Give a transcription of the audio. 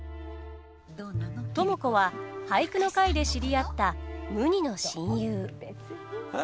知子は俳句の会で知り合った無二の親友。